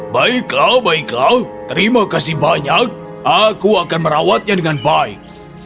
baiklah baiklah terima kasih banyak aku akan merawatnya dengan baik